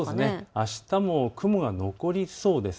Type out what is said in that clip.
あしたも雲が残りそうです。